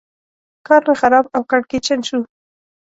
کار مې خراب او کړکېچن شو.